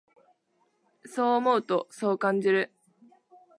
そう思うと、そう感じる。